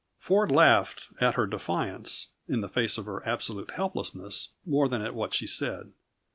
Ford laughed at her defiance, in the face of her absolute helplessness, more than at what she said.